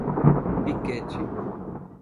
Piquete